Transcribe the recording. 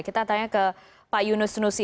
kita tanya ke pak yunus nusi